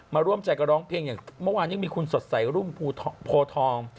ร่วมใจกันร้องเพลงอย่างเมื่อวานยังมีคุณสดใสรุ่งโพทอง